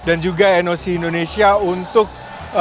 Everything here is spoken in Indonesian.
dan juga noc indonesia untuk mencari penyelenggaraan